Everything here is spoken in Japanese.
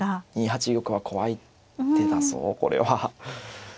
２八玉は怖い手だぞこれは。